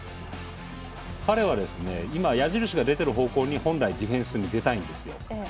彼は今矢印が出てる方向に本来ディフェンスに出たいんですよ。